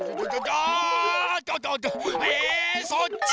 えそっち？